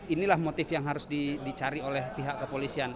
inilah motif yang harus dicari oleh pihak kepolisian